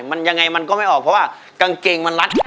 มันยังไงมันก็ไม่ออกเพราะว่ากางเกงมันรัด